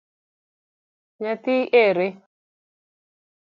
Nyathi ere?